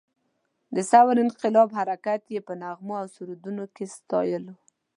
د ثور انقلاب حرکت یې په نغمو او سرودونو کې ستایلو.